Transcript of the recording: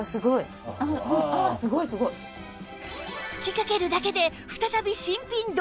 吹きかけるだけで再び新品同様に！